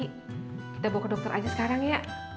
kita bawa ke dokter aja sekarang ya